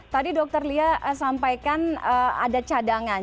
tadi dokter lia sampaikan ada cadangan